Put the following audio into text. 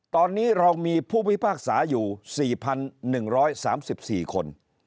ตอนนี้เรามีผู้พิพากษาอยู่๔๑๓๔คน